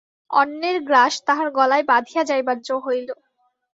অন্নের গ্রাস তাহার গলায় বাধিয়া যাইবার জো হইল।